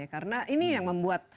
karena ini yang membuat